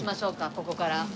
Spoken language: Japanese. ここから。